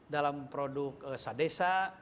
dalam produk sadesa